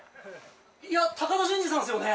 いや高田純次さんですよね？